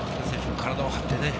体を張ってね。